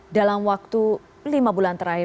dalam waktu lima bulan terakhir